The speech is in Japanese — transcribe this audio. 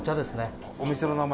伊達：お店の名前。